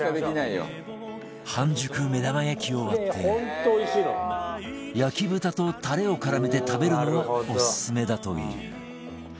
半熟目玉焼きを割って焼豚とタレを絡めて食べるのがオススメだという